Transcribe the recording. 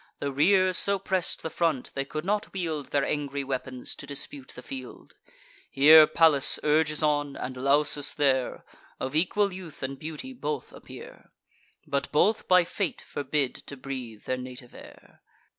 The rear so press'd the front, they could not wield Their angry weapons, to dispute the field. Here Pallas urges on, and Lausus there: Of equal youth and beauty both appear, But both by fate forbid to breathe their native air.